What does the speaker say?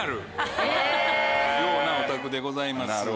ようなお宅でございます。